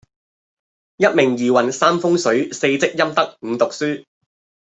一命二運三風水四積陰德五讀書